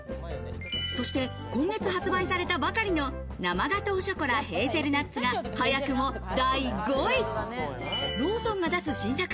そして今月発売されたばかりの生ガトーショコラヘーゼルナッツが早くも第５位。